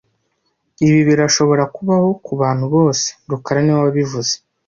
Ibi birashobora kubaho kubantu bose rukara niwe wabivuze